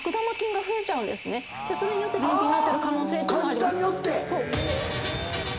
それによって便秘になってる可能性もあります。